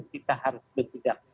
kita harus berjidat